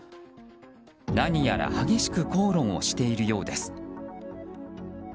何やら激しく口論をしているようです。